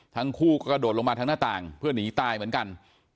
ทั้งคู่ก็กระโดดลงมาทางหน้าต่างเพื่อหนีตายเหมือนกัน